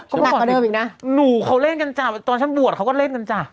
ก็หนักกว่าเดิมอีกนะหนูเขาเล่นกันจ้ะตอนฉันบวชเขาก็เล่นกันจ้ะ